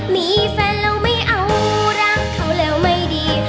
มีแฟนเราไม่เอารักเขาแล้วไม่ดี